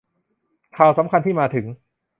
ข่าวสำคัญที่มาถึง